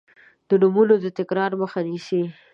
د نومونو د تکرار مخه نیسي.